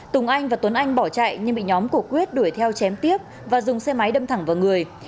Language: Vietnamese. tùng anh và tuấn anh bỏ chạy nhưng bị nhóm của quyết đuổi theo chém tiếp và dùng xe máy đâm thẳng vào người